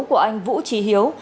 của anh vũ trí hiếu